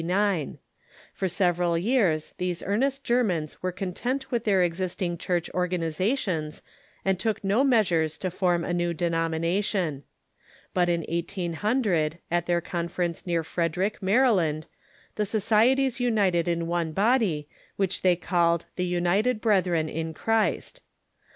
For several years these earnest Germans were content with tlicir existing Church organizations, and took no measures to form a new denomina tion. But in 1800, at their conference near Frederick, Mary land, the societies united in one body, Avhich they called the "United Brethren in Christ."